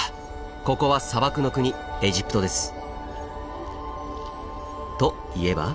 ここは砂漠の国エジプトです。といえば。